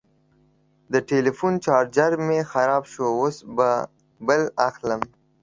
د ټلیفون چارجر مې خراب شو، اوس به بل اخلم.